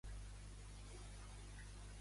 Com descriuen la Leionor?